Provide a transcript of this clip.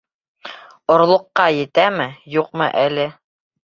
Орлоҡҡа етәме, юҡмы әле.